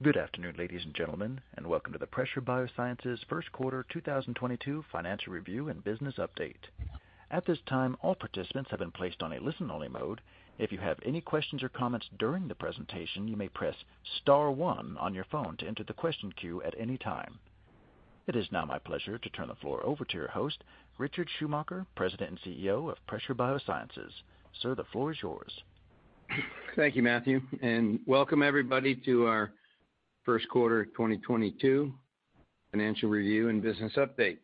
Good afternoon, ladies and gentlemen, and welcome to the Pressure BioSciences First Quarter 2022 Financial Review and Business Update. At this time, all participants have been placed on a listen-only mode. If you have any questions or comments during the presentation, you may press star one on your phone to enter the question queue at any time. It is now my pleasure to turn the floor over to your host, Richard Schumacher, President and CEO of Pressure BioSciences. Sir, the floor is yours. Thank you, Matthew, and welcome everybody to our first quarter 2022 financial review and business update.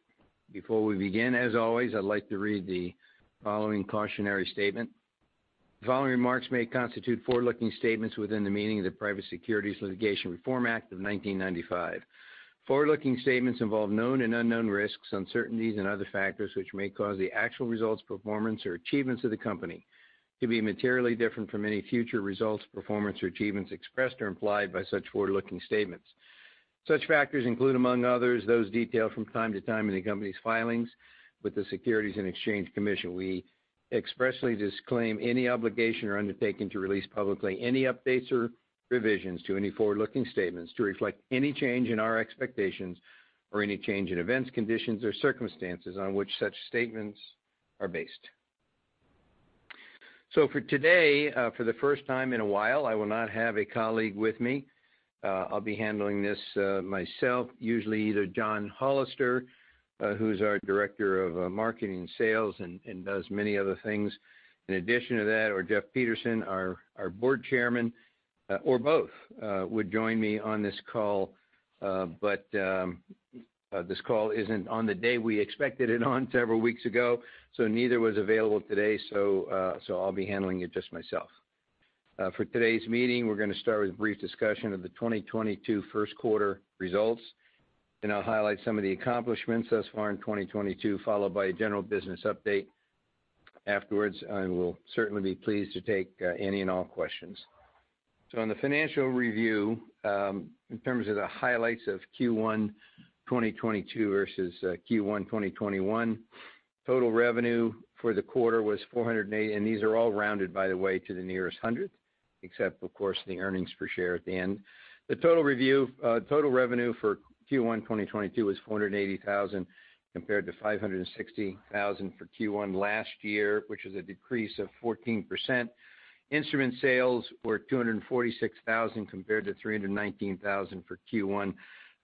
Before we begin, as always, I'd like to read the following cautionary statement. The following remarks may constitute forward-looking statements within the meaning of the Private Securities Litigation Reform Act of 1995. Forward-looking statements involve known and unknown risks, uncertainties, and other factors which may cause the actual results, performance, or achievements of the company to be materially different from any future results, performance, or achievements expressed or implied by such forward-looking statements. Such factors include, among others, those detailed from time to time in the company's filings with the Securities and Exchange Commission. We expressly disclaim any obligation or undertaking to release publicly any updates or revisions to any forward-looking statements to reflect any change in our expectations or any change in events, conditions, or circumstances on which such statements are based. For today, for the first time in a while, I will not have a colleague with me. I'll be handling this myself. Usually either John Hollister, who's our Director of Sales and Marketing and does many other things in addition to that, or Jeff Peterson, our Chairman of the Board, or both, would join me on this call. This call isn't on the day we expected it on several weeks ago, so neither was available today, so I'll be handling it just myself. For today's meeting, we're gonna start with a brief discussion of the 2022 first quarter results, and I'll highlight some of the accomplishments thus far in 2022, followed by a general business update. Afterwards, I will certainly be pleased to take any and all questions. On the financial review, in terms of the highlights of Q1 2022 versus Q1 2021, total revenue for the quarter was $480,000. These are all rounded, by the way, to the nearest hundred, except, of course, the earnings per share at the end. Total revenue for Q1 2022 was $480,000 compared to $560,000 for Q1 last year, which is a decrease of 14%. Instrument sales were $246,000 compared to $319,000 for Q1,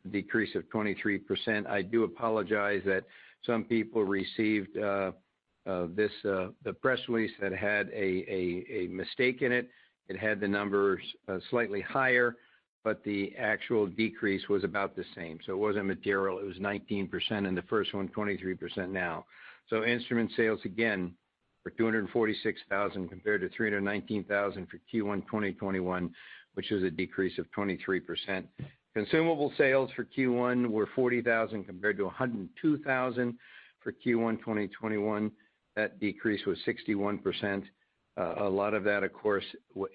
a decrease of 23%. I do apologize that some people received this, the press release that had a mistake in it. It had the numbers slightly higher, but the actual decrease was about the same. It wasn't material. It was 19% in the first one, 23% now. Instrument sales, again, were $246,000 compared to $319,000 for Q1 2021, which is a decrease of 23%. Consumable sales for Q1 were $40,000 compared to $102,000 for Q1 2021. That decrease was 61%. A lot of that, of course,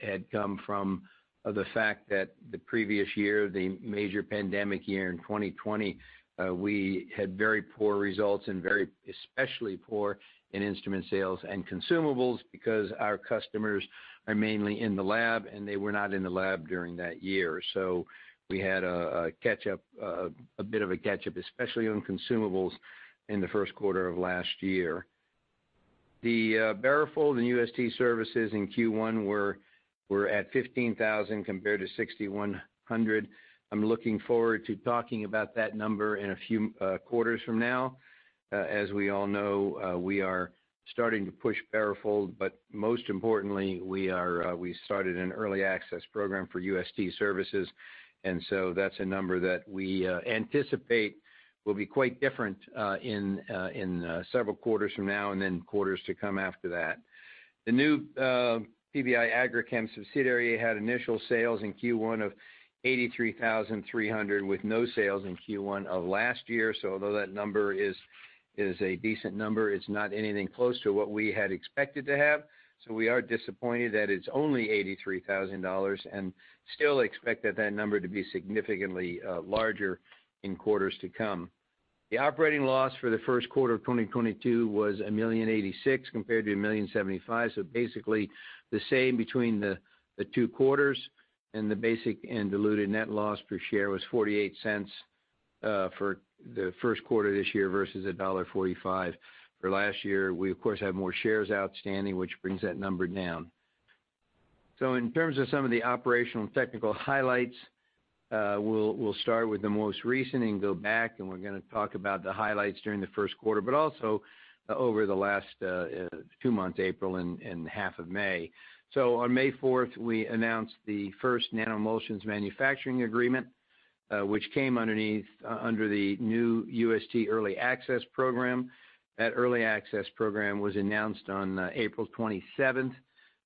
had come from the fact that the previous year, the major pandemic year in 2020, we had very poor results and very especially poor in instrument sales and consumables because our customers are mainly in the lab, and they were not in the lab during that year. We had a bit of a catch-up, especially on consumables, in the first quarter of last year. The BaroFold and UST services in Q1 were at $15,000 compared to $6,100. I'm looking forward to talking about that number in a few quarters from now. As we all know, we are starting to push BaroFold, but most importantly, we started an early access program for UST services. That's a number that we anticipate will be quite different in several quarters from now and then quarters to come after that. The new PBI Agrichem subsidiary had initial sales in Q1 of $83,300 with no sales in Q1 of last year. Although that number is a decent number, it's not anything close to what we had expected to have. We are disappointed that it's only $83,000 and still expect that number to be significantly larger in quarters to come. The operating loss for the first quarter of 2022 was $1.086 million compared to $1.075 million, so basically the same between the two quarters, and the basic and diluted net loss per share was $0.48 for the first quarter this year versus $1.45 for last year. We, of course, have more shares outstanding, which brings that number down. In terms of some of the operational and technical highlights, we'll start with the most recent and go back, and we're gonna talk about the highlights during the first quarter, but also over the last two months, April and half of May. On May 4, we announced the first nanoemulsions manufacturing agreement, which came under the new UST early access program. That early access program was announced on April 27.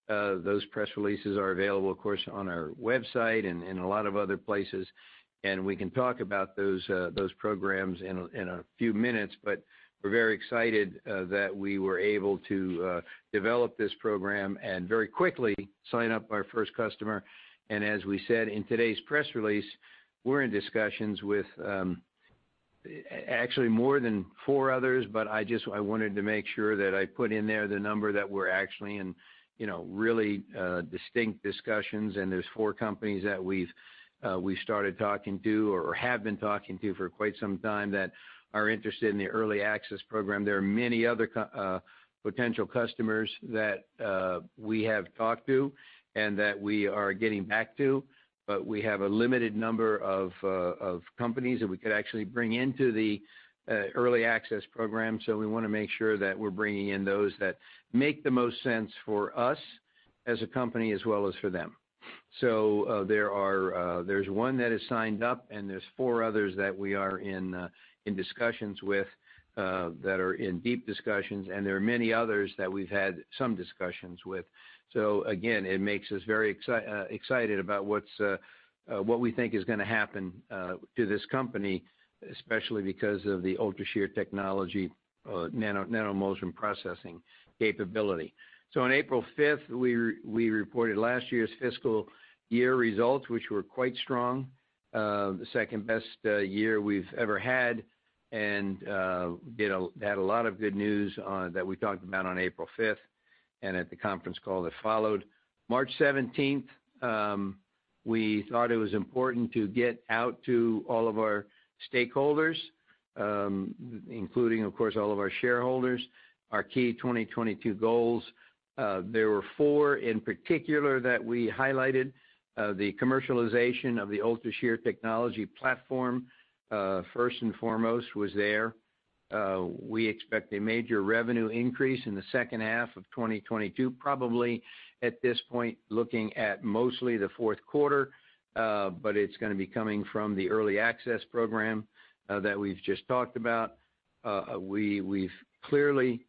Those press releases are available, of course, on our website and a lot of other places. We can talk about those programs in a few minutes, but we're very excited that we were able to develop this program and very quickly sign up our first customer. As we said in today's press release, we're in discussions with actually more than four others, but I just wanted to make sure that I put in there the number that we're actually in, you know, really distinct discussions, and there's four companies that we've started talking to or have been talking to for quite some time that are interested in the early access program. There are many other potential customers that we have talked to and that we are getting back to, but we have a limited number of companies that we could actually bring into the early access program. We wanna make sure that we're bringing in those that make the most sense for us as a company, as well as for them. There's one that is signed up, and there's four others that we are in discussions with that are in deep discussions, and there are many others that we've had some discussions with. Again, it makes us very excited about what we think is gonna happen to this company, especially because of the UltraShear Technology nanoemulsion processing capability. On April 5th, we reported last year's fiscal year results, which were quite strong. The second best year we've ever had, and you know, had a lot of good news that we talked about on April 5th and at the conference call that followed. March 17th, we thought it was important to get out to all of our stakeholders, including, of course, all of our shareholders, our key 2022 goals. There were four in particular that we highlighted. The commercialization of the UltraShear Technology platform first and foremost was there. We expect a major revenue increase in the second half of 2022, probably at this point, looking at mostly the fourth quarter, but it's gonna be coming from the early access program that we've just talked about. We've clearly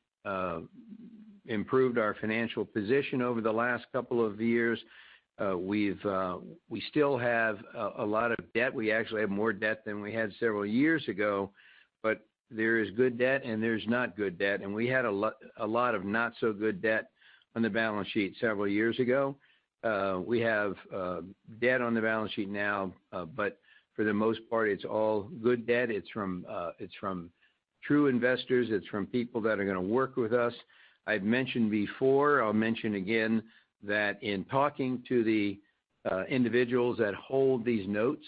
improved our financial position over the last couple of years. We've still have a lot of debt. We actually have more debt than we had several years ago, but there is good debt, and there's not good debt. We had a lot of not so good debt on the balance sheet several years ago. We have debt on the balance sheet now, but for the most part, it's all good debt. It's from true investors. It's from people that are gonna work with us. I've mentioned before, I'll mention again, that in talking to the individuals that hold these notes,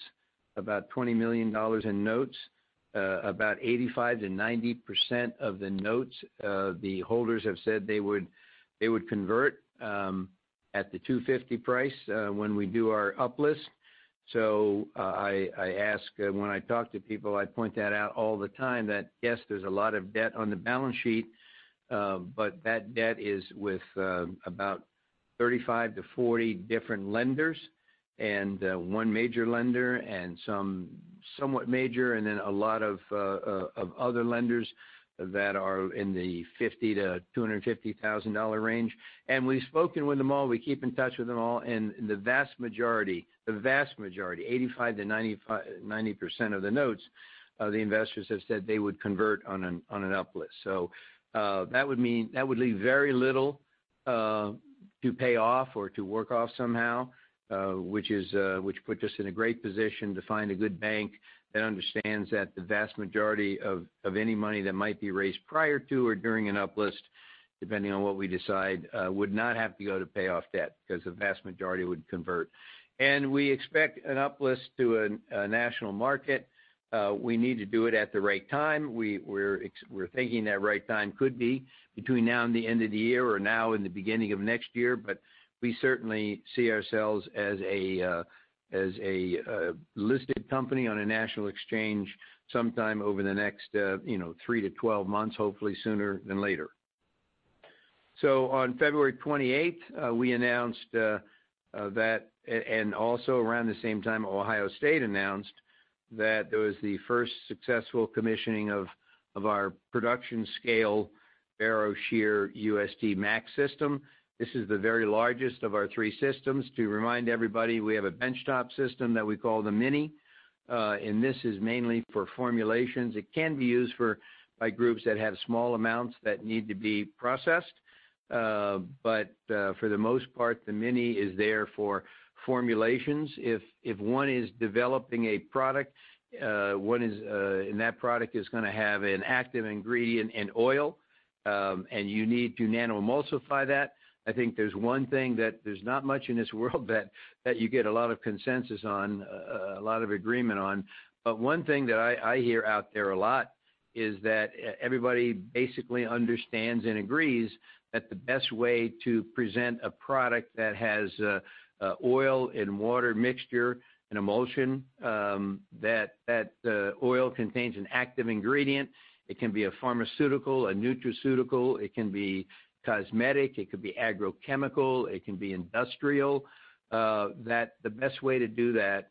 about $20 million in notes, about 85%-90% of the notes, the holders have said they would convert at the $2.50 price when we do our up-list. I ask when I talk to people, I point that out all the time that, yes, there's a lot of debt on the balance sheet, but that debt is with about 35-40 different lenders and one major lender and some somewhat major, and then a lot of other lenders that are in the $50,000-$250,000 range. We've spoken with them all, we keep in touch with them all, and the vast majority, 85%-90% of the notes, the investors have said they would convert on an up-list. That would mean that would leave very little to pay off or to work off somehow, which put us in a great position to find a good bank that understands that the vast majority of any money that might be raised prior to or during an up-list, depending on what we decide, would not have to go to pay off debt 'cause the vast majority would convert. We expect an up-list to a national market. We need to do it at the right time. We're thinking that right time could be between now and the end of the year or now and the beginning of next year. We certainly see ourselves as a listed company on a national exchange sometime over the next, you know, 3-12 months, hopefully sooner than later. On February 28th, we announced that and also around the same time, Ohio State announced that there was the first successful commissioning of our production scale BaroShear UST Max system. This is the very largest of our three systems. To remind everybody, we have a benchtop system that we call the Mini. This is mainly for formulations. It can be used for by groups that have small amounts that need to be processed. But for the most part, the Mini is there for formulations. If one is developing a product, and that product is gonna have an active ingredient in oil, and you need to nanoemulsify that, I think there's one thing that there's not much in this world that you get a lot of consensus on, a lot of agreement on, but one thing that I hear out there a lot is that everybody basically understands and agrees that the best way to present a product that has oil and water mixture and emulsion, that oil contains an active ingredient. It can be a pharmaceutical, a nutraceutical, it can be cosmetic, it could be agrochemical, it can be industrial. That the best way to do that,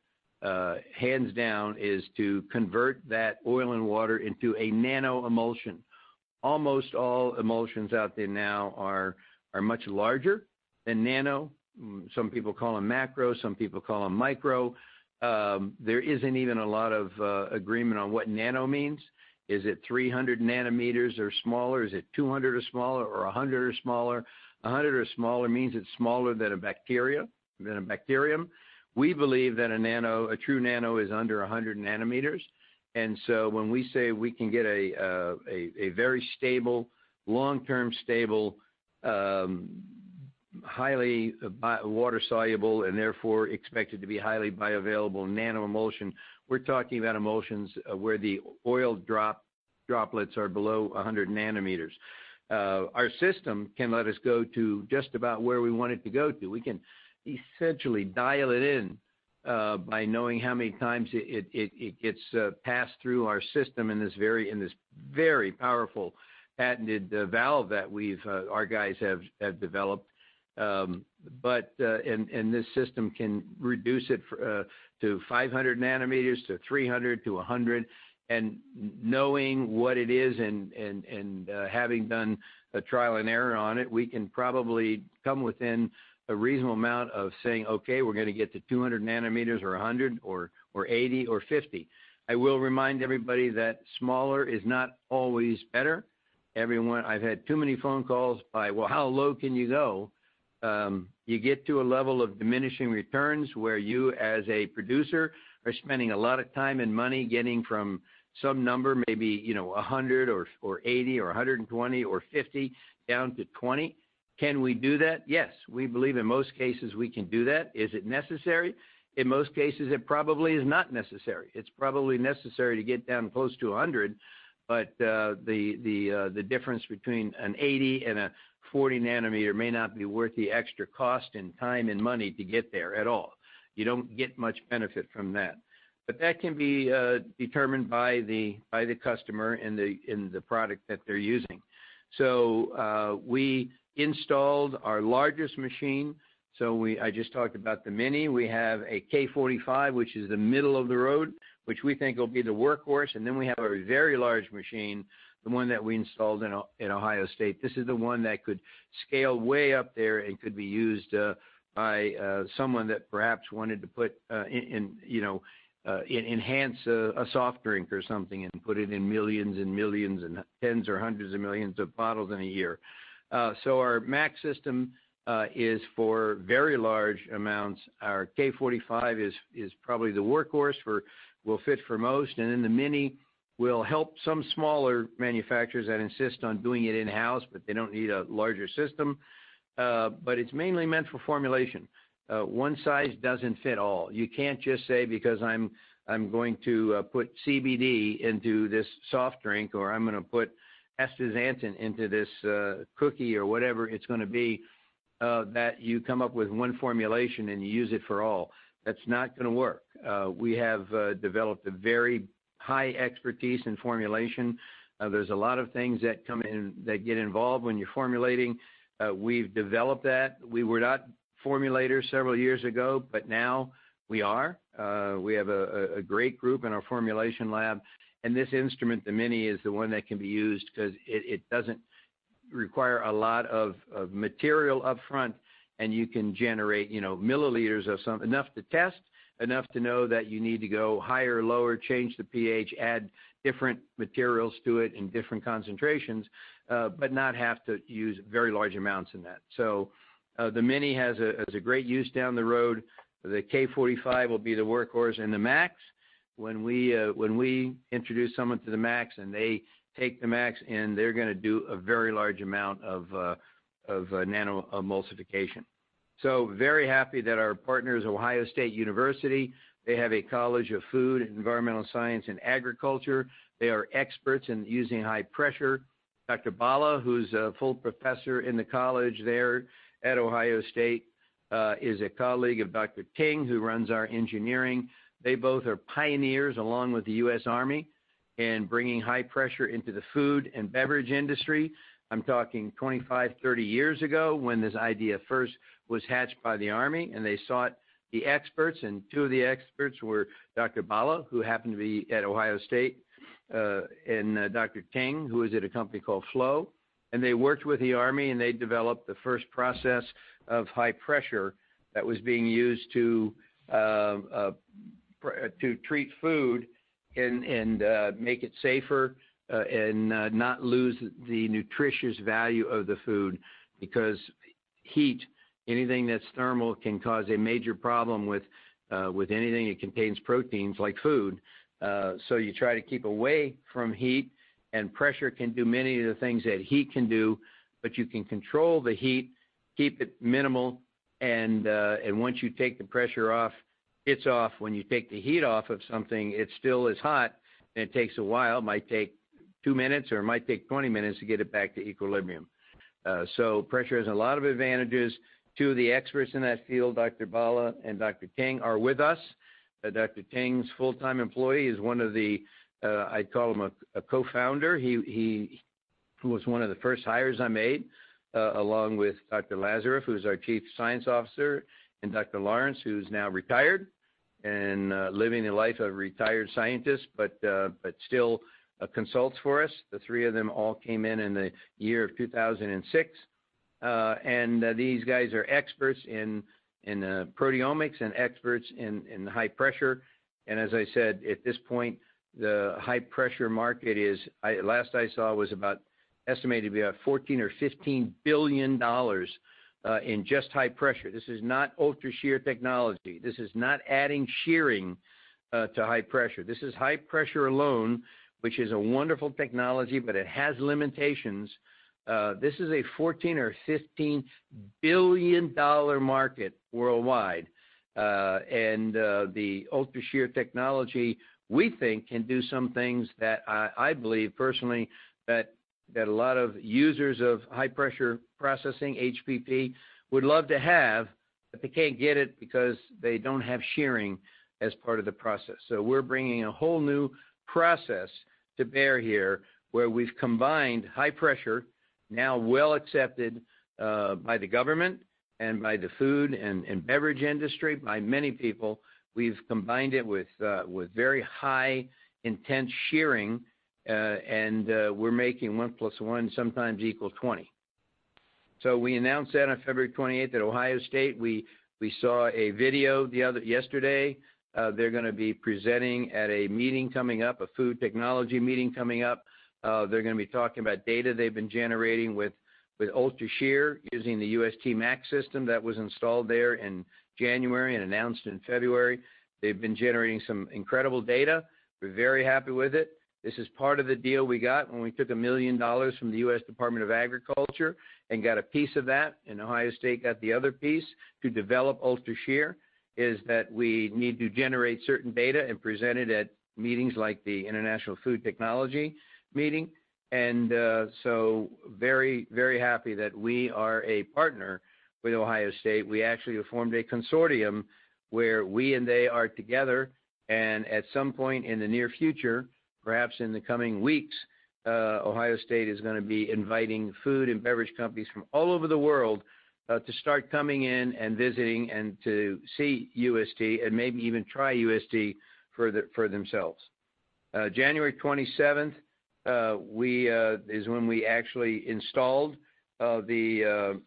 hands down, is to convert that oil and water into a nanoemulsion. Almost all emulsions out there now are much larger than nano. Some people call them macro, some people call them micro. There isn't even a lot of agreement on what nano means. Is it 300 nm or smaller? Is it 200 nm or smaller or 100 nm or smaller? 100 nm or smaller means it's smaller than a bacterium. We believe that a true nano is under 100 nm. When we say we can get a very stable, long-term stable, highly water-soluble and therefore expected to be highly bioavailable nanoemulsion, we're talking about emulsions where the oil droplets are below 100 nm. Our system can let us go to just about where we want it to go to. We can essentially dial it in by knowing how many times it gets passed through our system in this very powerful patented valve that our guys have developed. This system can reduce it to 500 nm to 300 nm to 100 nm. Knowing what it is, having done a trial and error on it, we can probably come within a reasonable amount of saying, "Okay, we're gonna get to 200 nm or 100 nm or 80 nm or 50 nm." I will remind everybody that smaller is not always better. Everyone. I've had too many phone calls by, "Well, how low can you go?" You get to a level of diminishing returns where you, as a producer, are spending a lot of time and money getting from some number, maybe, you know, 100 nm or 80 nm or 120 nm or 50 nm down to 20 nm. Can we do that? Yes. We believe in most cases we can do that. Is it necessary? In most cases, it probably is not necessary. It's probably necessary to get down close to 100 nm, but the difference between an 80 nm and a 40 nm may not be worth the extra cost and time and money to get there at all. You don't get much benefit from that. That can be determined by the customer and the product that they're using. We installed our largest machine. I just talked about the Mini. We have a K45, which is the middle of the road, which we think will be the workhorse. We have our very large machine, the one that we installed in Ohio State. This is the one that could scale way up there and could be used by someone that perhaps wanted to put in, you know, enhance a soft drink or something and put it in millions and millions and tens or hundreds of millions of bottles in a year. Our Max system is for very large amounts. Our K45 is probably the workhorse will fit for most. The Mini will help some smaller manufacturers that insist on doing it in-house, but they don't need a larger system. It's mainly meant for formulation. One size doesn't fit all. You can't just say because I'm going to put CBD into this soft drink, or I'm gonna put astaxanthin into this cookie or whatever it's gonna be, that you come up with one formulation, and you use it for all. That's not gonna work. We have developed a very high expertise in formulation. There's a lot of things that get involved when you're formulating. We've developed that. We were not formulators several years ago, but now we are. We have a great group in our formulation lab. This instrument, the Mini, is the one that can be used 'cause it doesn't require a lot of material upfront, and you can generate, you know, milliliters of some. enough to test, enough to know that you need to go higher or lower, change the pH, add different materials to it in different concentrations, but not have to use very large amounts in that. The Mini has a great use down the road. The K45 will be the workhorse and the Max. When we introduce someone to the Max, and they're gonna do a very large amount of nanoemulsification. Very happy that our partners, The Ohio State University, they have a College of Food, Agricultural, and Environmental Sciences. They are experts in using high pressure. Dr. Bala, who's a full professor in the college there at Ohio State, is a colleague of Dr. Ting, who runs our engineering. They both are pioneers along with the U.S. Army in bringing high pressure into the food and beverage industry. I'm talking 25-30 years ago, when this idea first was hatched by the Army, and they sought the experts, and two of the experts were Dr. Bala, who happened to be at Ohio State, and Dr. Ting, who was at a company called Flow. They worked with the Army, and they developed the first process of high pressure that was being used to treat food and make it safer, and not lose the nutritious value of the food because heat, anything that's thermal can cause a major problem with anything that contains proteins like food. You try to keep away from heat, and pressure can do many of the things that heat can do, but you can control the heat, keep it minimal, and once you take the pressure off, it's off. When you take the heat off of something, it still is hot, and it takes a while. It might take two minutes, or it might take 20 minutes to get it back to equilibrium. Pressure has a lot of advantages. Two of the experts in that field, Dr. Bala and Dr. Ting, are with us. Dr. Ting's full-time employee, he's one of the, I'd call him a co-founder. He was one of the first hires I made, along with Dr. Lazarev, who's our Chief Science Officer, and Dr. Lawrence, who's now retired and living the life of a retired scientist, but still consults for us. The three of them all came in the year of 2006. These guys are experts in proteomics and experts in high pressure. As I said, at this point, the high pressure market is, last I saw, estimated to be about $14 billion-$15 billion in just high pressure. This is not UltraShear Technology. This is not adding shearing to high pressure. This is high pressure alone, which is a wonderful technology, but it has limitations. This is a $14 billion-$15 billion market worldwide. The UltraShear Technology, we think can do some things that I believe personally that a lot of users of high pressure processing, HPP, would love to have, but they can't get it because they don't have shearing as part of the process. We're bringing a whole new process to bear here, where we've combined high pressure, now well accepted, by the government and by the food and beverage industry, by many people. We've combined it with very high intense shearing, and we're making 1+1 sometimes equal 20. We announced that on February 28th at Ohio State. We saw a video yesterday. They're gonna be presenting at a meeting coming up, a food technology meeting coming up. They're gonna be talking about data they've been generating with UltraShear using the UST Max system that was installed there in January and announced in February. They've been generating some incredible data. We're very happy with it. This is part of the deal we got when we took $1 million from the U.S. Department of Agriculture and got a piece of that, and Ohio State got the other piece to develop UltraShear, is that we need to generate certain data and present it at meetings like the Institute of Food Technologists meeting. Very, very happy that we are a partner with Ohio State. We actually have formed a consortium where we and they are together. At some point in the near future, perhaps in the coming weeks, Ohio State is gonna be inviting food and beverage companies from all over the world to start coming in and visiting and to see UST and maybe even try UST for themselves. January 27th is when we actually installed the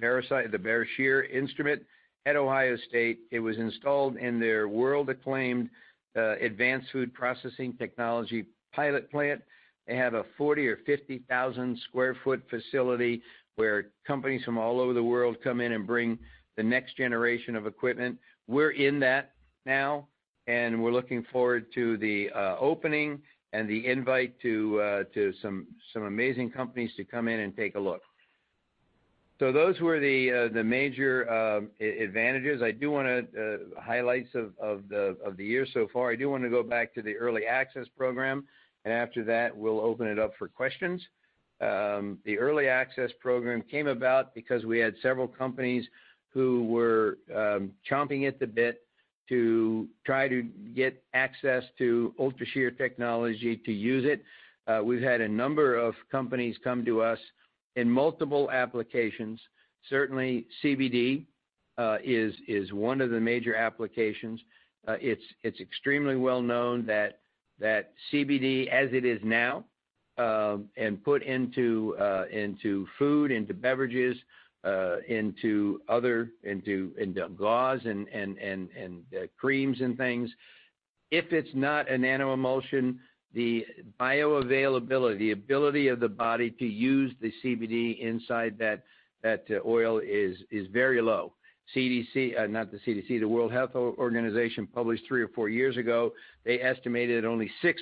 BaroShear instrument at Ohio State. It was installed in their world-acclaimed advanced food processing technology pilot plant. They have a 40,000 or 50,000 sq ft facility where companies from all over the world come in and bring the next generation of equipment. We're in that now, and we're looking forward to the opening and the invite to some amazing companies to come in and take a look. Those were the major advantages. I do wanna highlights of the year so far. I do wanna go back to the early access program, and after that, we'll open it up for questions. The early access program came about because we had several companies who were chomping at the bit to try to get access to UltraShear Technology to use it. We've had a number of companies come to us in multiple applications. Certainly, CBD is one of the major applications. It's extremely well known that CBD, as it is now, and put into food, into beverages, into gauze and creams and things, if it's not a nanoemulsion, the bioavailability, ability of the body to use the CBD inside that oil is very low. CDC, not the CDC, the World Health Organization published three or four years ago, they estimated only 6%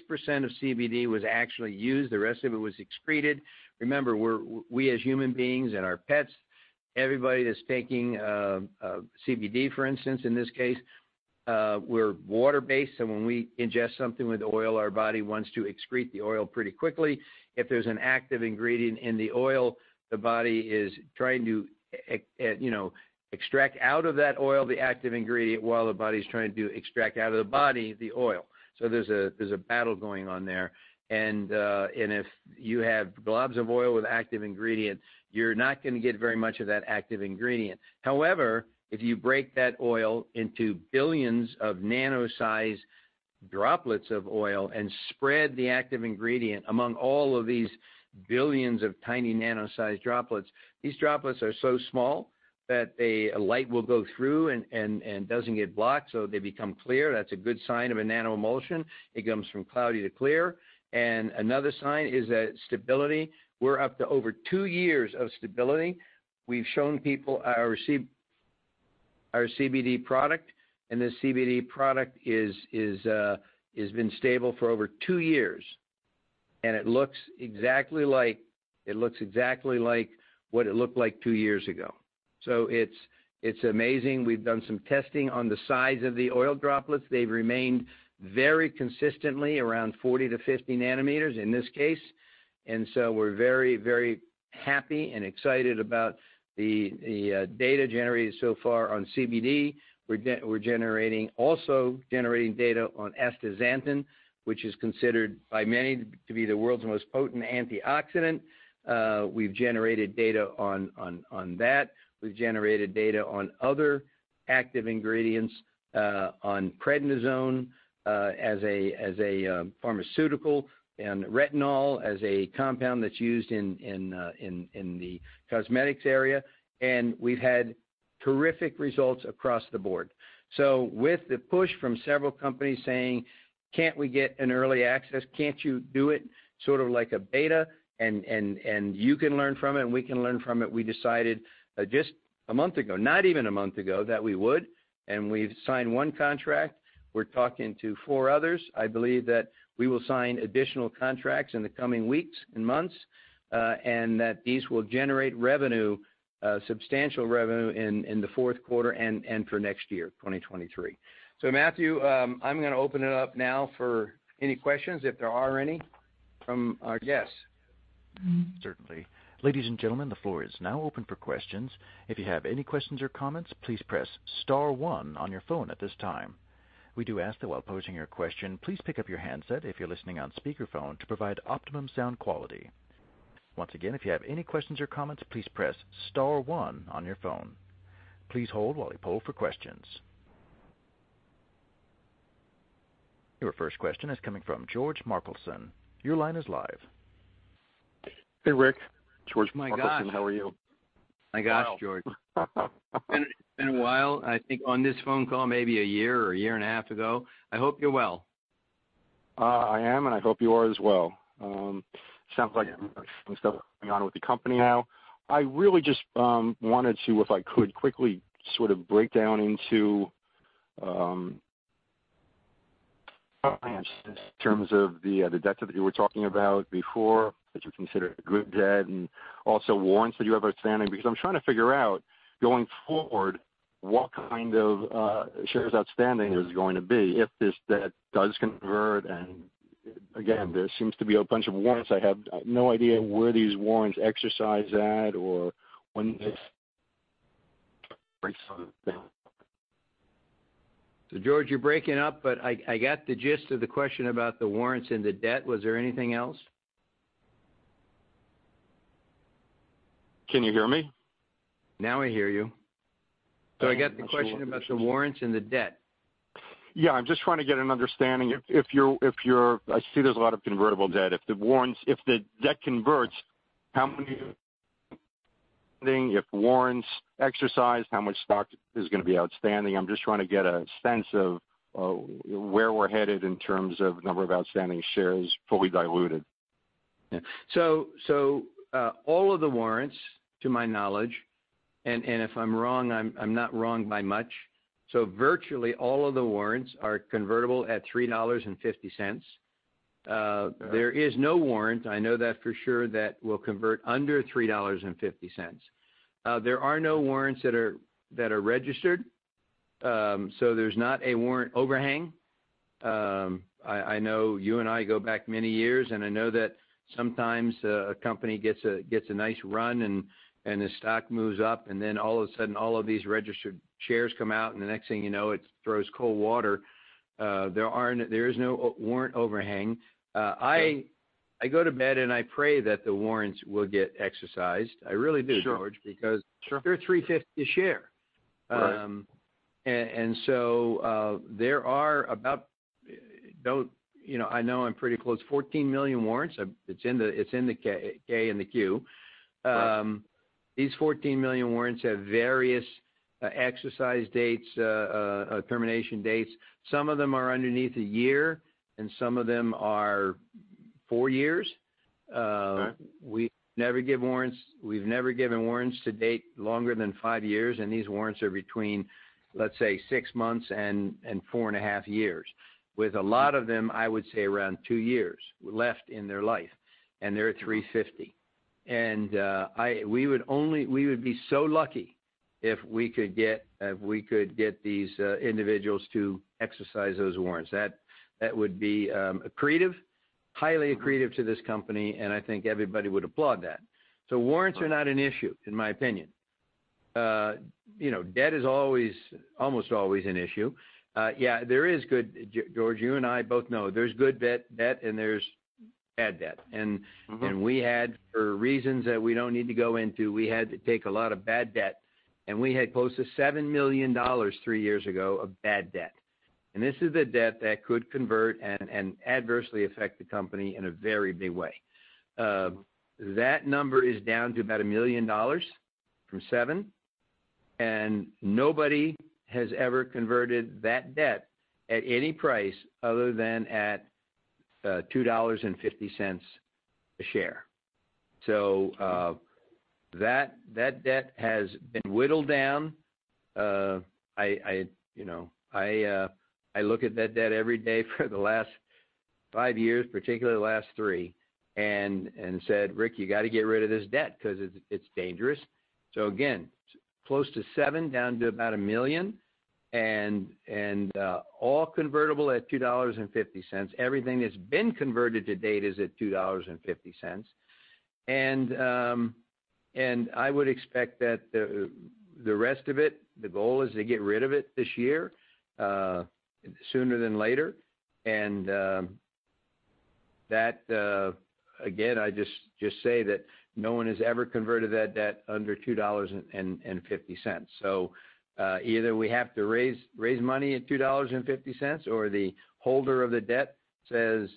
of CBD was actually used. The rest of it was excreted. Remember, we as human beings and our pets, everybody that's taking CBD, for instance, in this case, we're water-based, so when we ingest something with oil, our body wants to excrete the oil pretty quickly. If there's an active ingredient in the oil, the body is trying to, you know, extract out of that oil the active ingredient while the body's trying to extract out of the body the oil. There's a battle going on there. If you have globs of oil with active ingredients, you're not gonna get very much of that active ingredient. However, if you break that oil into billions of nano-sized droplets of oil and spread the active ingredient among all of these billions of tiny nano-sized droplets, these droplets are so small that a light will go through and doesn't get blocked, so they become clear. That's a good sign of a nanoemulsion. It comes from cloudy to clear. Another sign is stability. We're up to over two years of stability. We've shown people our CBD product, and this CBD product has been stable for over two years. It looks exactly like what it looked like two years ago. It's amazing. We've done some testing on the size of the oil droplets. They've remained very consistently around 40 nm-50 nm in this case. We're very, very happy and excited about the data generated so far on CBD. We're also generating data on astaxanthin, which is considered by many to be the world's most potent antioxidant. We've generated data on that. We've generated data on other active ingredients, on prednisone, as a pharmaceutical, and retinol as a compound that's used in the cosmetics area. We've had terrific results across the board. With the push from several companies saying, "Can't we get an early access? Can't you do it sort of like a beta, and you can learn from it, and we can learn from it?" We decided just a month ago, not even a month ago, that we would, and we've signed one contract, we're talking to four others. I believe that we will sign additional contracts in the coming weeks and months, and that these will generate revenue, substantial revenue in the fourth quarter and for next year, 2023. Matthew, I'm gonna open it up now for any questions if there are any from our guests. Certainly. Ladies and gentlemen, the floor is now open for questions. If you have any questions or comments, please press star one on your phone at this time. We do ask that while posing your question, please pick up your handset if you're listening on speakerphone to provide optimum sound quality. Once again, if you have any questions or comments, please press star one on your phone. Please hold while we poll for questions. Your first question is coming from George Markelson. Your line is live. Hey, Rick. George Markelson. Oh my gosh. How are you? My gosh, George. It's been a while. I think on this phone call, maybe a year or a year and a half ago. I hope you're well. I am, and I hope you are as well. Sounds like you're with the company now. I really just wanted to, if I could, quickly sort of break down into in terms of the debt that you were talking about before that you consider good debt, and also warrants that you have outstanding. Because I'm trying to figure out, going forward, what kind of shares outstanding there's going to be if this debt does convert. Again, there seems to be a bunch of warrants. I have no idea where these warrants exercise at or when this. George, you're breaking up, but I got the gist of the question about the warrants and the debt. Was there anything else? Can you hear me? Now I hear you. I get the question about the warrants and the debt. Yeah. I'm just trying to get an understanding. If you're, I see there's a lot of convertible debt. If the warrants, if the debt converts, how many warrants exercised, how much stock is gonna be outstanding? I'm just trying to get a sense of where we're headed in terms of number of outstanding shares, fully diluted. All of the warrants, to my knowledge, and if I'm wrong, I'm not wrong by much. Virtually all of the warrants are convertible at $3.50. There is no warrant, I know that for sure, that will convert under $3.50. There are no warrants that are registered, so there's not a warrant overhang. I know you and I go back many years, and I know that sometimes a company gets a nice run and the stock moves up, and then all of a sudden, all of these registered shares come out, and the next thing you know, it throws cold water. There is no warrant overhang. I go to bed, and I pray that the warrants will get exercised. I really do. Sure George, because Sure They're $3.50 a share. Right. There are about, you know, I know I'm pretty close, $14 million warrants. It's in the 10-K and the 10-Q. Right. These $14 million warrants have various exercise dates, termination dates. Some of them are under a year, and some of them are four years. Right We never give warrants. We've never given warrants to date longer than five years, and these warrants are between, let's say, six months and 4.5 years. With a lot of them, I would say around two years left in their life, and they're at $3.50. We would be so lucky if we could get these individuals to exercise those warrants. That would be accretive, highly accretive to this company, and I think everybody would applaud that. Warrants are not an issue, in my opinion. You know, debt is always, almost always an issue. George, you and I both know there's good debt and there's bad debt. Mm-hmm We had, for reasons that we don't need to go into, we had to take a lot of bad debt, and we had close to $7 million three years ago of bad debt. This is a debt that could convert and adversely affect the company in a very big way. That number is down to about $1 million from $7 million, and nobody has ever converted that debt at any price other than at $2.50 a share. That debt has been whittled down. You know, I look at that debt every day for the last five years, particularly the last three, and said, "Rick, you gotta get rid of this debt 'cause it's dangerous." Again, close to $7 million, down to about $1 million, all convertible at $2.50. Everything that's been converted to date is at $2.50. I would expect that the rest of it, the goal is to get rid of it this year, sooner than later. Again, I just say that no one has ever converted that debt under $2.50. Either we have to raise money at $2.50, or the holder of the debt says.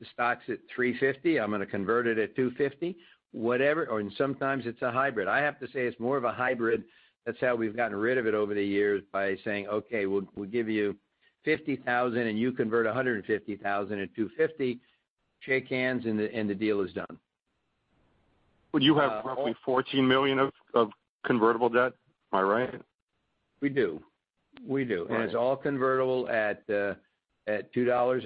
The stock's at $3.50, I'm gonna convert it at $2.50. Whatever. Or sometimes it's a hybrid. I have to say, it's more of a hybrid. That's how we've gotten rid of it over the years by saying, "Okay. We'll give you $50,000, and you convert $150,000 at $2.50," shake hands, and the deal is done. Would you have roughly $14 million of convertible debt? Am I right? We do. All right. It's all convertible at $2.50. A lot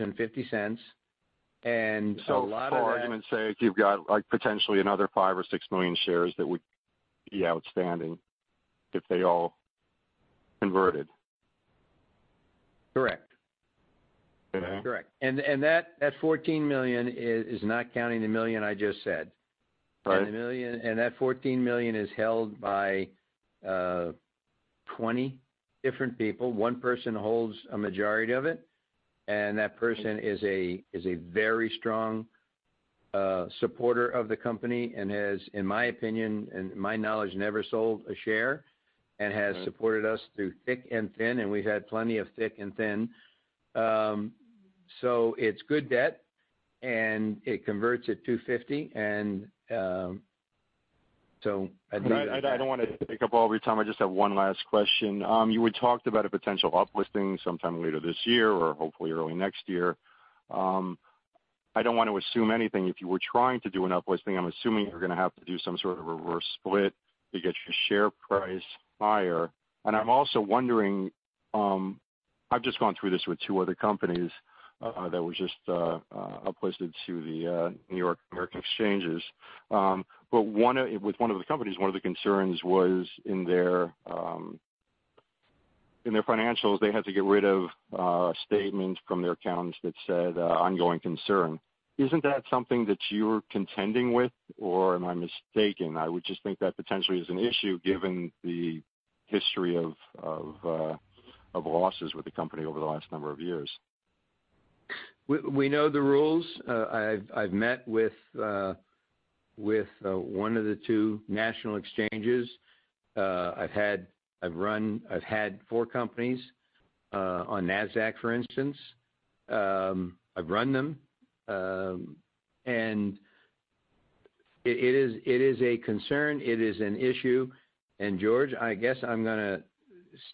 of that- So far I can say you've got, like, potentially another $5 million or $6 million shares that would be outstanding if they all converted. Correct. Okay. Correct. That $14 million is not counting the $1 million I just said. Right. That $14 million is held by 20 different people. One person holds a majority of it, and that person is a very strong supporter of the company and has, in my opinion and my knowledge, never sold a share. Mm-hmm. has supported us through thick and thin, and we've had plenty of thick and thin. It's good debt, and it converts at $2.50. I believe that I don't want to take up all of your time. I just have one last question. You had talked about a potential uplisting sometime later this year or hopefully early next year. I don't want to assume anything. If you were trying to do an uplisting, I'm assuming you're going to have to do some sort of reverse split to get your share price higher. I'm also wondering, I've just gone through this with two other companies uplisted to the NYSE American. With one of the companies, one of the concerns was in their financials, they had to get rid of statements from their accountants that said going concern. Isn't that something that you're contending with, or am I mistaken? I would just think that potentially is an issue given the history of losses with the company over the last number of years. We know the rules. I've met with one of the two national exchanges. I've had four companies on NASDAQ, for instance. I've run them. It is a concern, it is an issue. George, I guess I'm gonna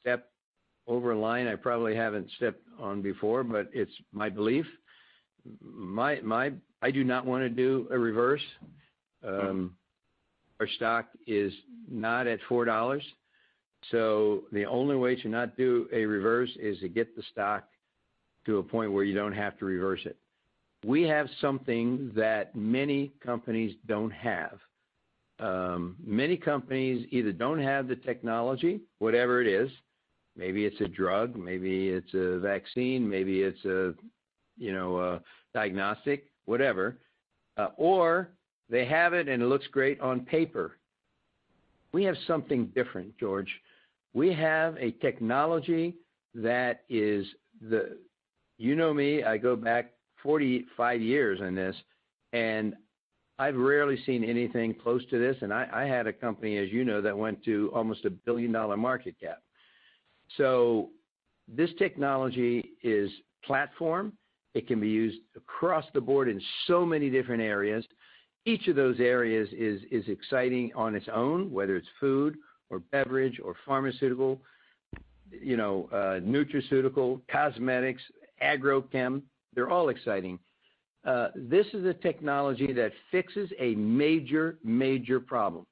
step over a line I probably haven't stepped on before, but it's my belief. I do not wanna do a reverse. Our stock is not at $4, so the only way to not do a reverse is to get the stock to a point where you don't have to reverse it. We have something that many companies don't have. Many companies either don't have the technology, whatever it is, maybe it's a drug, maybe it's a vaccine, maybe it's a, you know, a diagnostic, whatever, or they have it and it looks great on paper. We have something different, George. We have a technology that is the. You know me, I go back 45 years in this, and I've rarely seen anything close to this. I had a company, as you know, that went to almost a billion-dollar market cap. This technology is platform. It can be used across the board in so many different areas. Each of those areas is exciting on its own, whether it's food or beverage or pharmaceutical, you know, nutraceutical, cosmetics, Agrochem, they're all exciting. This is a technology that fixes a major problem.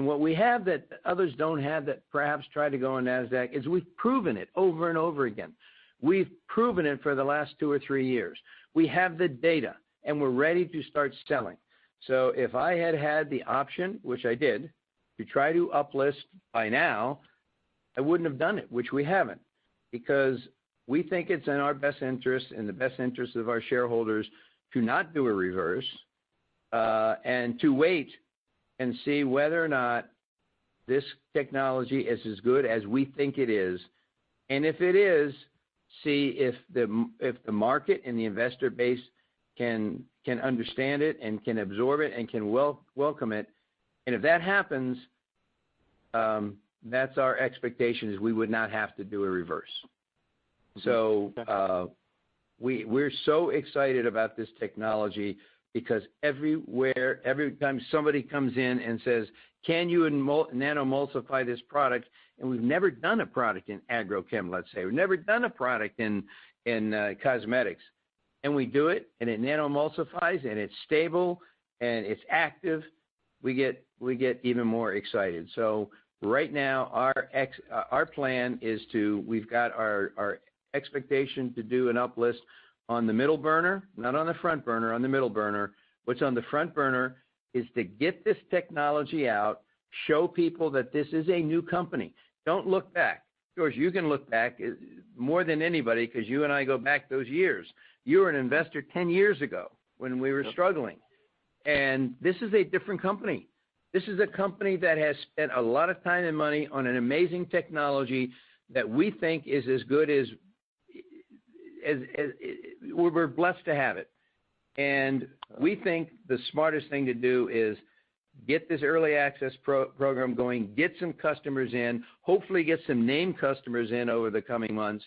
What we have that others don't have that perhaps try to go on NASDAQ is we've proven it over and over again. We've proven it for the last two or three years. We have the data, and we're ready to start selling. If I had had the option, which I did, to try to uplist by now, I wouldn't have done it, which we haven't, because we think it's in our best interest and the best interest of our shareholders to not do a reverse, and to wait and see whether or not this technology is as good as we think it is. If it is, see if the market and the investor base can understand it and can absorb it and can welcome it. If that happens, that's our expectation, is we would not have to do a reverse. Okay. We're so excited about this technology because everywhere, every time somebody comes in and says, "Can you nanoemulsify this product?" We've never done a product in Agrochem, let's say. We've never done a product in cosmetics. We do it, and it nanoemulsifies, and it's stable, and it's active. We get even more excited. Right now, our plan is to. We've got our expectation to do an uplisting on the middle burner, not on the front burner, on the middle burner. What's on the front burner is to get this technology out, show people that this is a new company. Don't look back. George, you can look back more than anybody 'cause you and I go back those years. You were an investor 10 years ago when we were struggling. Yep. This is a different company. This is a company that has spent a lot of time and money on an amazing technology that we think is as good as. We're blessed to have it. We think the smartest thing to do is to get this early access pro-program going, get some customers in, hopefully get some name customers in over the coming months,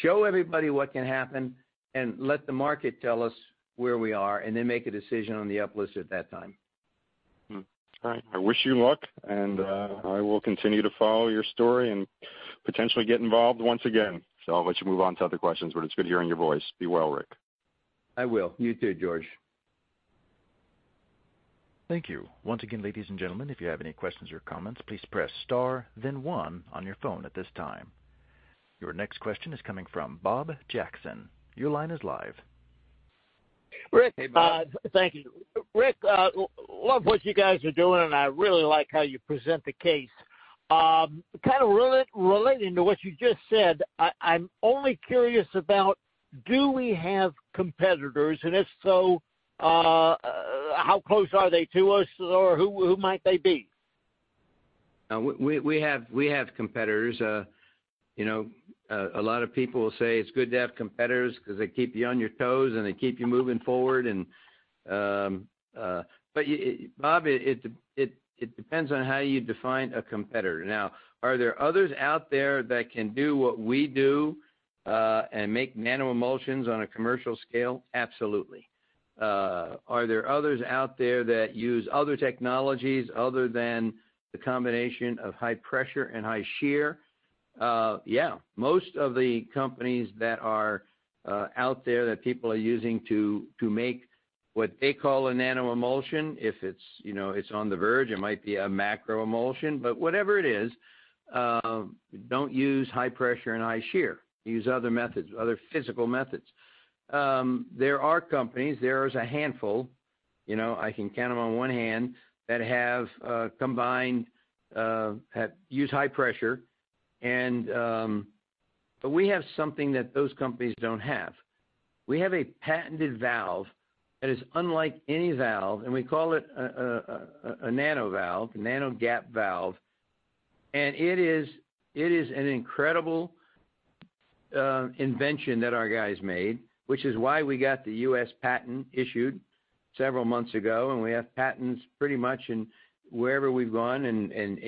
show everybody what can happen, and let the market tell us where we are, and then make a decision on the uplist at that time. All right. I wish you luck, and I will continue to follow your story and potentially get involved once again. I'll let you move on to other questions, but it's good hearing your voice. Be well, Rick. I will. You too, George. Thank you. Once again, ladies and gentlemen, if you have any questions or comments, please press star, then one on your phone at this time. Your next question is coming from Bob Jackson. Your line is live. Rick- Hey, Bob. Thank you. Rick, love what you guys are doing, and I really like how you present the case. Kinda relating to what you just said, I'm only curious about do we have competitors, and if so, how close are they to us or who might they be? We have competitors. You know, a lot of people will say it's good to have competitors 'cause they keep you on your toes, and they keep you moving forward. Bob, it depends on how you define a competitor. Now, are there others out there that can do what we do, and make nanoemulsions on a commercial scale? Absolutely. Are there others out there that use other technologies other than the combination of high pressure and high shear? Yeah. Most of the companies that are out there that people are using to make what they call a nanoemulsion, if it's, you know, it's on the verge, it might be a macroemulsion, but whatever it is, don't use high pressure and high shear. Use other methods, other physical methods. There are companies, there is a handful, you know, I can count them on one hand, that have combined use high pressure and. We have something that those companies don't have. We have a patented valve that is unlike any valve, and we call it a nano-gap valve. It is an incredible invention that our guys made, which is why we got the U.S. patent issued several months ago, and we have patents pretty much wherever we've gone.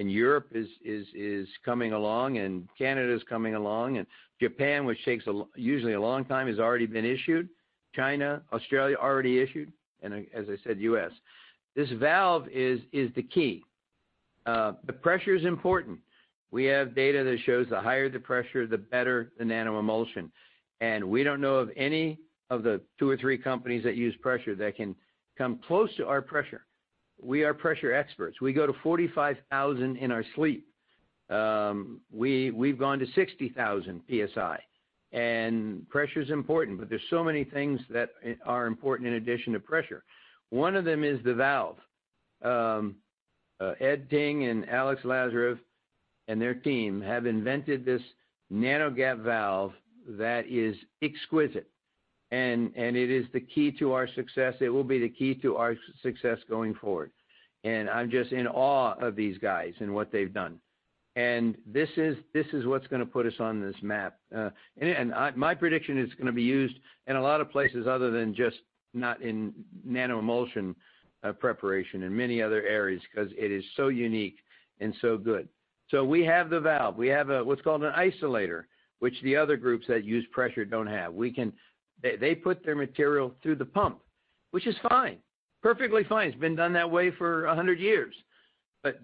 Europe is coming along and Canada's coming along. Japan, which takes usually a long time, has already been issued. China, Australia, already issued. As I said, U.S. This valve is the key. The pressure is important. We have data that shows the higher the pressure, the better the nanoemulsion. We don't know of any of the two or three companies that use pressure that can come close to our pressure. We are pressure experts. We go to 45,000 in our sleep. We've gone to 60,000 PSI. Pressure's important, but there's so many things that are important in addition to pressure. One of them is the valve. Ed Ting and Alex Lazarev and their team have invented this nano-gap valve that is exquisite. It is the key to our success. It will be the key to our success going forward. I'm just in awe of these guys and what they've done. This is what's gonna put us on this map. My prediction, it's gonna be used in a lot of places other than just not in nanoemulsion preparation, in many other areas 'cause it is so unique and so good. We have the valve, we have what's called an isolator, which the other groups that use pressure don't have. They put their material through the pump, which is fine, perfectly fine. It's been done that way for 100 years.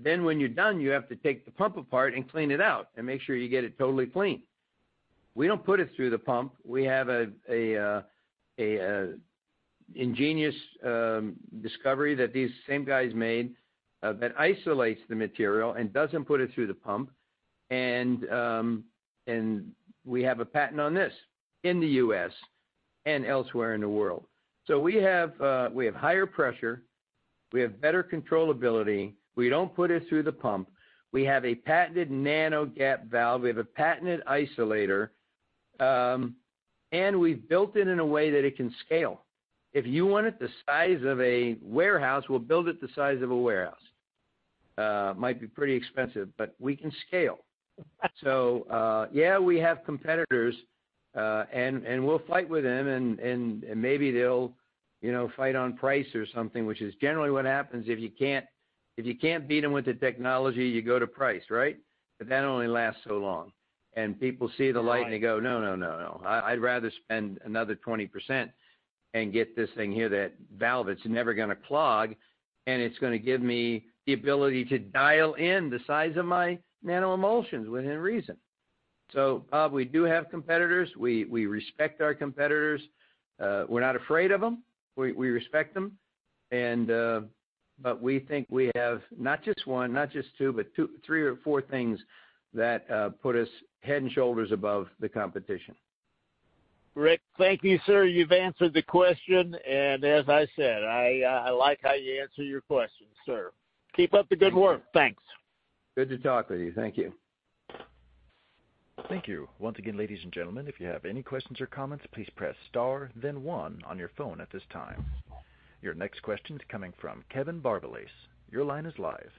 When you're done, you have to take the pump apart and clean it out and make sure you get it totally clean. We don't put it through the pump. We have a ingenious discovery that these same guys made that isolates the material and doesn't put it through the pump. We have a patent on this in the U.S. and elsewhere in the world. We have higher pressure. We have better controllability. We don't put it through the pump. We have a patented nano-gap valve. We have a patented isolator. We've built it in a way that it can scale. If you want it the size of a warehouse, we'll build it the size of a warehouse. Might be pretty expensive, but we can scale. We have competitors, and maybe they'll, you know, fight on price or something, which is generally what happens. If you can't beat them with the technology, you go to price, right? That only lasts so long. People see the light. Right. They go, "No, no, no. I'd rather spend another 20% and get this thing here, that valve that's never gonna clog, and it's gonna give me the ability to dial in the size of my nanoemulsions within reason." Bob, we do have competitors. We respect our competitors. We're not afraid of them. We respect them. But we think we have not just one, not just two, but two, three or four things that put us head and shoulders above the competition. Rick, thank you, sir. You've answered the question. As I said, I like how you answer your questions, sir. Keep up the good work. Thank you. Thanks. Good to talk with you. Thank you. Thank you. Once again, ladies and gentlemen, if you have any questions or comments, please press star, then one on your phone at this time. Your next question's coming from Kevin Barbalace. Your line is live.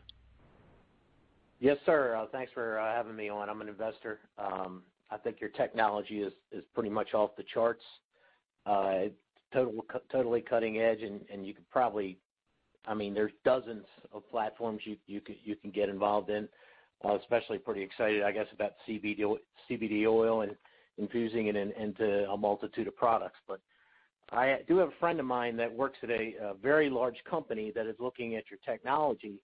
Yes, sir. Thanks for having me on. I'm an investor. I think your technology is pretty much off the charts. It's totally cutting edge, and you could probably I mean, there's dozens of platforms you could get involved in. Especially pretty excited, I guess, about CBD oil and infusing it into a multitude of products. I do have a friend of mine that works at a very large company that is looking at your technology.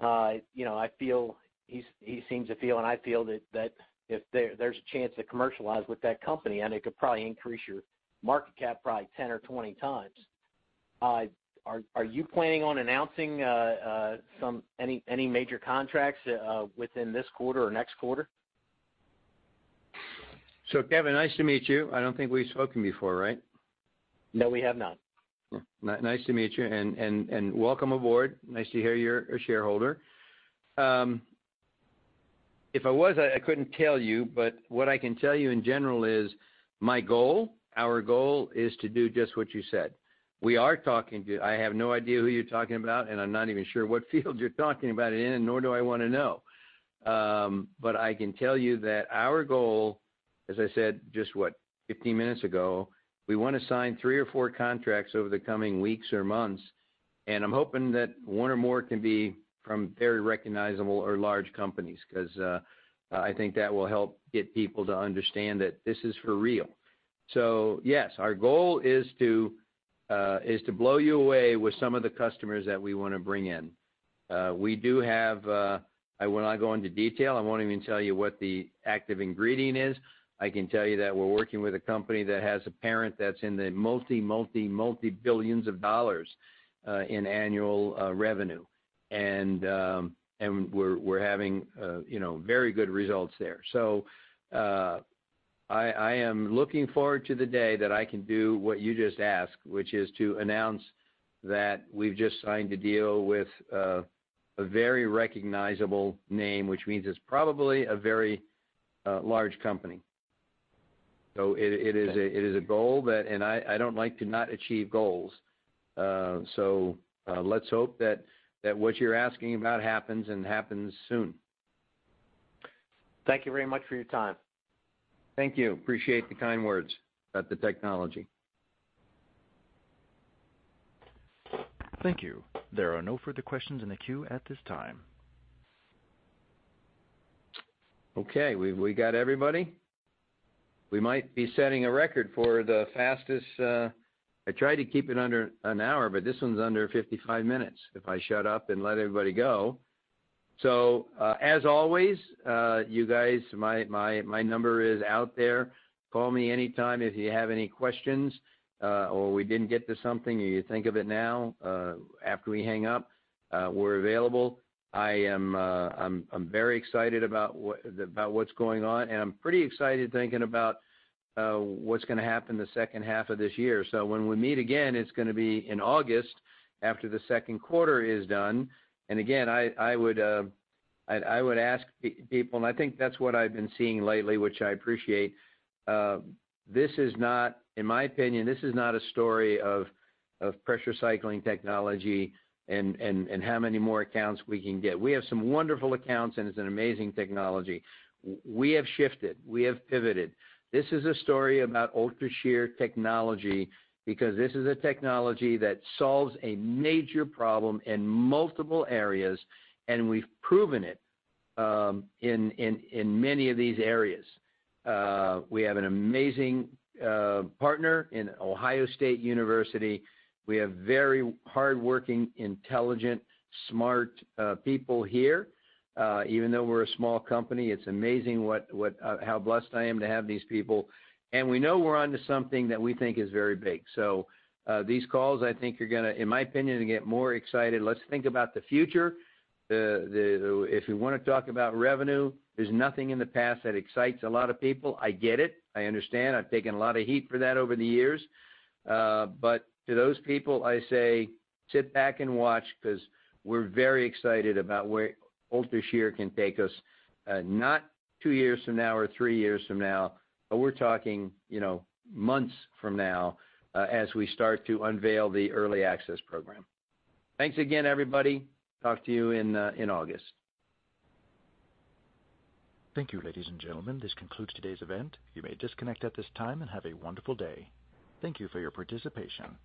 You know, he seems to feel, and I feel that if there's a chance to commercialize with that company, and it could probably increase your market cap 10 or 20 times. Are you planning on announcing any major contracts within this quarter or next quarter? Kevin, nice to meet you. I don't think we've spoken before, right? No, we have not. Nice to meet you and welcome aboard. Nice to hear you're a shareholder. If I was, I couldn't tell you. What I can tell you in general is my goal, our goal is to do just what you said. We are talking to. I have no idea who you're talking about, and I'm not even sure what field you're talking about it in, and nor do I wanna know. I can tell you that our goal, as I said, just what? 15 minutes ago, we wanna sign 3 or 4 contracts over the coming weeks or months, and I'm hoping that one or more can be from very recognizable or large companies, 'cause I think that will help get people to understand that this is for real. Yes, our goal is to blow you away with some of the customers that we wanna bring in. We do have. I will not go into detail. I won't even tell you what the active ingredient is. I can tell you that we're working with a company that has a parent that's in the multi-billions of dollars in annual revenue. We're having you know very good results there. I am looking forward to the day that I can do what you just asked, which is to announce that we've just signed a deal with a very recognizable name, which means it's probably a very large company. It is a goal that I don't like to not achieve goals. Let's hope that what you're asking about happens and happens soon. Thank you very much for your time. Thank you. Appreciate the kind words about the technology. Thank you. There are no further questions in the queue at this time. Okay. We've got everybody? We might be setting a record for the fastest. I try to keep it under an hour, but this one's under 55 minutes if I shut up and let everybody go. As always, you guys, my number is out there. Call me anytime if you have any questions, or we didn't get to something and you think of it now, after we hang up. We're available. I am. I'm very excited about what's going on, and I'm pretty excited thinking about what's gonna happen the second half of this year. When we meet again, it's gonna be in August after the second quarter is done. Again, I would ask people, and I think that's what I've been seeing lately, which I appreciate. This is not, in my opinion, a story of Pressure Cycling Technology and how many more accounts we can get. We have some wonderful accounts, and it's an amazing technology. We have shifted. We have pivoted. This is a story about UltraShear Technology because this is a technology that solves a major problem in multiple areas, and we've proven it in many of these areas. We have an amazing partner in Ohio State University. We have very hardworking, intelligent, smart people here. Even though we're a small company, it's amazing how blessed I am to have these people. We know we're onto something that we think is very big. These calls, I think, are gonna, in my opinion, get more excited. Let's think about the future. If we wanna talk about revenue, there's nothing in the past that excites a lot of people. I get it. I understand. I've taken a lot of heat for that over the years. But to those people, I say sit back and watch 'cause we're very excited about where UltraShear can take us, not two years from now or three years from now, but we're talking, you know, months from now, as we start to unveil the early access program. Thanks again, everybody. Talk to you in August. Thank you, ladies and gentlemen. This concludes today's event. You may disconnect at this time and have a wonderful day. Thank you for your participation.